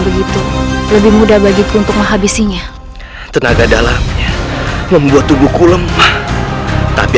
begitu lebih mudah bagiku untuk menghabisinya tenaga dalam membuat tubuhku lemah tapi